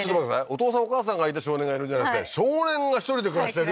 お父さんお母さんがいて少年がいるんじゃなくて少年が１人で暮らしてる？